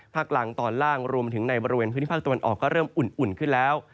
กลางตอนล่างรวมถึงในบริเวณพื้นที่ภาคตะวันออกก็เริ่มอุ่นขึ้นแล้ว